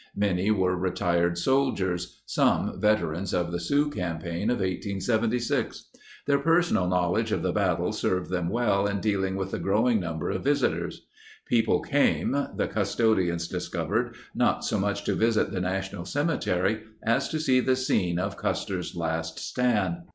Many were retired soldiers, some veterans of the Sioux 92 campaign of 1876. Their personal knowledge of the battle served them well in dealing with the growing number of visitors. People came, the cus todians discovered, not so much to visit the national cemetery as to see the scene of "Custer's Last Stand."